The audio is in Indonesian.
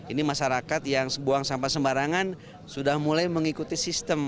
ini masyarakat yang buang sampah sembarangan sudah mulai mengikuti sistem